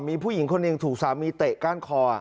มีผู้หญิงคนหนึ่งถูกสามีเตะก้านคอ